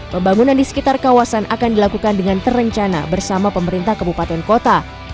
pembangunan di sekitar kawasan akan dilakukan dengan terencana bersama pemerintah kabupaten kota